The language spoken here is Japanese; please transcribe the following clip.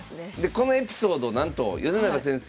このエピソードなんと米長先生